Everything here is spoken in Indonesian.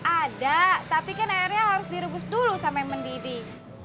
ada tapi kan airnya harus direbus dulu sampai mendidih